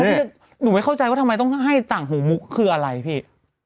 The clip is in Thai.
หนูไม่เข้าใจว่าทำไมต้องให้ต่างหูมุกคืออะไรพี่